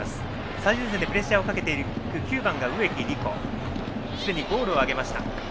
最前線でプレッシャーをかけていく９番、植木理子はすでにゴールを挙げています。